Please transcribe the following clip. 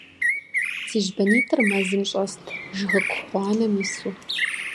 ЦыжьбанитӀыр мэзым щӀэст, жыгыку гъуанэм ису.